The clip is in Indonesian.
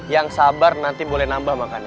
yang sabar nanti boleh nambah makan ya